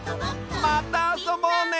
またあそぼうね！